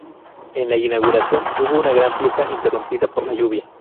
En la inauguración, hubo una gran fiesta interrumpida por la lluvia.